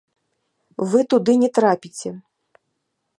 Вы туды не трапіце!